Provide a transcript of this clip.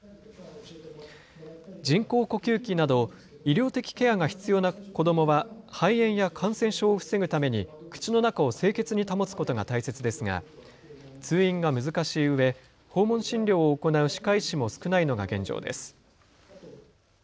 人工呼吸器など医療的ケアが必要な子どもは肺炎や感染症を防ぐために口の中を清潔に保つことが大切ですが通院が難しいうえ訪問診療を行う歯科医師も少ないのが現状です。